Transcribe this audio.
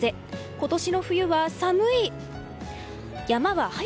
今年の冬は寒い。